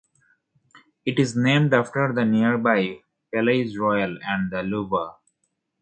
It is named after the nearby Palais Royal and the "Louvre".